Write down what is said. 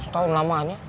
tiga ratus tahun lamanya